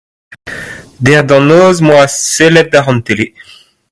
Dec'h d'an noz m'oa sellet dac'h an tele.